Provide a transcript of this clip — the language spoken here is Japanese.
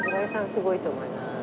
すごいと思いますね。